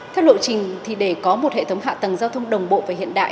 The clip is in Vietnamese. theo lộ trình thì để có một hệ thống hạ tầng giao thông đồng bộ và hiện đại